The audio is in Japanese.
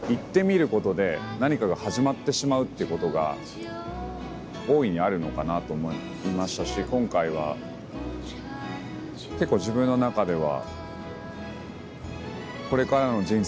っていうことが大いにあるのかなと思いましたし今回は結構自分の中では。